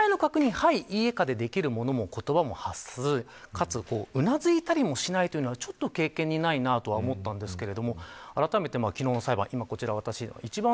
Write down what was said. はい、いいえでできるものも言葉も発さずかつ、うなずいたりもしないというのは経験にないなと思ったんですけどあらためて昨日の裁判。